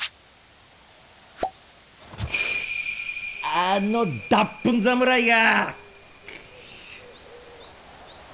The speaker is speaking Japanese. あの脱糞侍が！